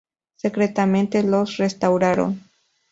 Secretamente los restauraron.